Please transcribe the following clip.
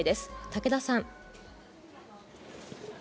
武田さん。